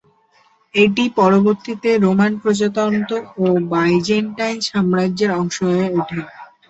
এটি পরবর্তীতে রোমান প্রজাতন্ত্র ও বাইজেন্টাইন সাম্রাজ্যের অংশ হয়ে ওঠে।